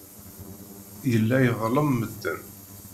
Yella iḍellem medden.